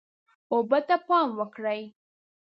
اوبه ته پام وکړئ.